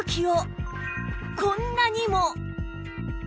こんなにも